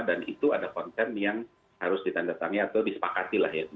dan itu ada konten yang harus ditandatangani atau disepakati lah ya